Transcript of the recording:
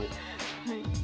はい。